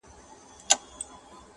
o تقدير په تدبير پوري خاندي٫